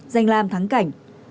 danh lam thắng cảnh